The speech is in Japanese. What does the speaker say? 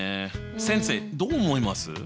先生どう思います？